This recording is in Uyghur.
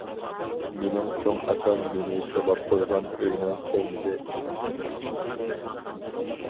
مېنىڭ چوڭ ئاكام مېنى سولاپ قويغان ئۆينىڭ كەينىدە ئىدى.